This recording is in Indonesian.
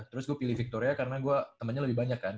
terus gua pilih victoria karena gua temennya lebih banyak kan